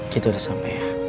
kita udah sampe ya